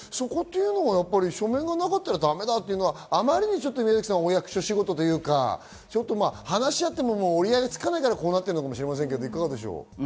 書面がなかったらダメだというのは、あまりにもお役所仕事というか、話し合っても折り合いがつかないからこうなってるのかもしれないですけれども、どうでしょう。